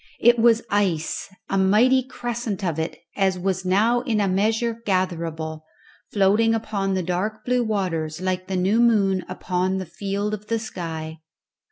It was ice! a mighty crescent of it as was now in a measure gatherable, floating upon the dark blue waters like the new moon upon the field of the sky.